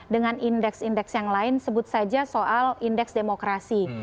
dengan indeks indeks yang lain sebut saja soal indeks demokrasi